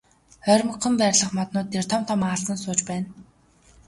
Ойрмогхон байрлах моднууд дээр том том аалзнууд сууж байна.